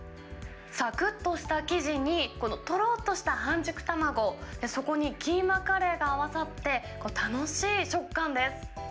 さくっとした生地に、このとろーっとした半熟卵、そこにキーマカレーが合わさって、楽しい食感です。